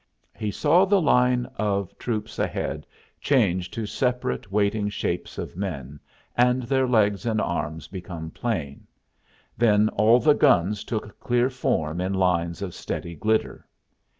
He saw the line of troops ahead change to separate waiting shapes of men, and their legs and arms become plain; then all the guns took clear form in lines of steady glitter.